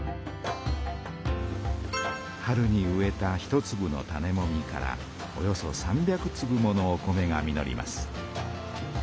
春に植えた１つぶの種もみからおよそ３００つぶものお米が実ります。